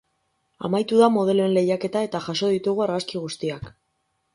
Amaitu da modeloen lehiaketa eta jaso ditugu argazki guztiak.